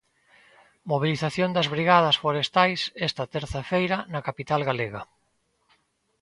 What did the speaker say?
Mobilización das brigadas forestais, esta terza feira, na capital galega.